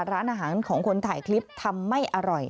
ร้านอาหารของคนถ่ายคลิปทำไม่อร่อย